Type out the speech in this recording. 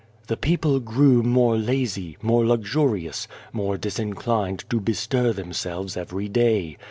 " The people grew more lazy, more luxurious, more disinclined to bestir themselves every day.